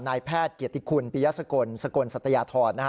นายแพทย์เกียรติคุณปียสกลสกลสัตยาธรนะฮะ